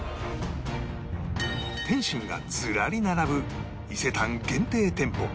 点心がずらり並ぶ伊勢丹限定店舗